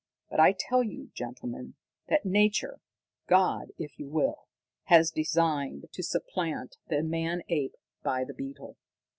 But I tell you, gentlemen, that nature God, if you will has designed to supplant the man ape by the beetle.